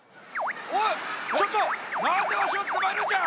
おいちょっとなんでわしをつかまえるんじゃ！？